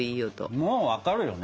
もう分かるよね！